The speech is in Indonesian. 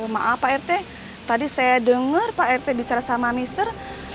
maaf pak rete tadi saya denger pak rete bicara sama mister